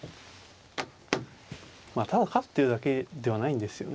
まあただ勝ってるだけではないんですよね。